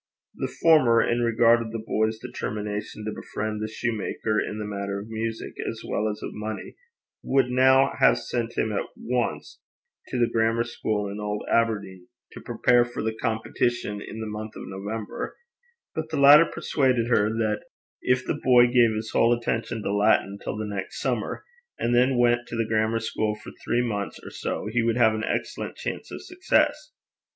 The former, in regard of the boy's determination to befriend the shoemaker in the matter of music as well as of money, would now have sent him at once to the grammar school in Old Aberdeen, to prepare for the competition in the month of November; but the latter persuaded her that if the boy gave his whole attention to Latin till the next summer, and then went to the grammar school for three months or so, he would have an excellent chance of success.